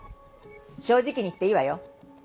正直に言っていいわよ。